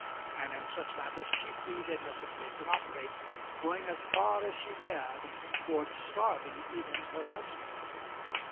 And in such matters chiefly did Mrs. Mason operate, going as far as she dared towards starving even her husband.